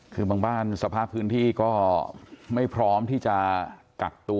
คือบางบ้านสภาพพื้นที่ก็ไม่พร้อมที่จะกักตัว